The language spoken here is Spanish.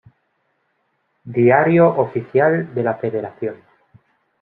Diario Oficial de la Federación.